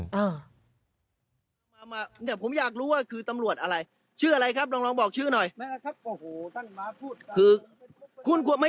ชาวบ้านเขาก็สงสัยกันนะคุณว่านี่ตำรวจแสดงตัวข้อหาแบบนี้